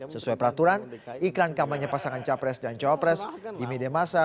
sesuai peraturan iklan kampanye pasangan capres dan copres di media masa